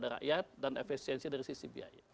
dari rakyat dan efisiensi dari sisi biaya